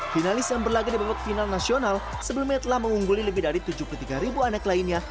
finalis yang berlagak di babak final nasional sebelumnya telah mengungguli lebih dari tujuh puluh tiga ribu anak lainnya